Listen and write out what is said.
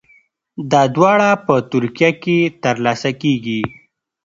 دا دواړه په ترکیه کې ترلاسه کیږي.